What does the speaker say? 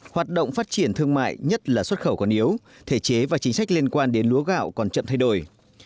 hoạt động phát triển thương mại nhất là xuất khẩu còn yếu thể chế và chính sách liên quan đến lúa gạo còn chậm thay đổi